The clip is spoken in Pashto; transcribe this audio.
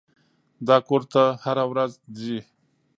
دا کور ته هره ورځ ځي.